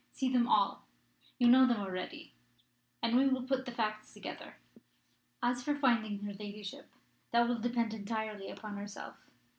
See them all you know them already, and we will put the facts together. As for finding her ladyship, that will depend entirely upon herself.